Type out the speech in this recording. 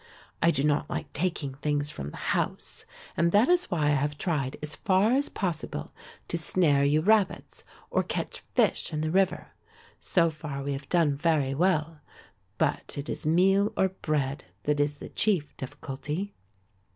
I do not like taking things from the house, and that is why I have tried as far as possible to snare you rabbits or catch fish in the river. So far we have done very well, but it is meal or bread that is the chief difficulty."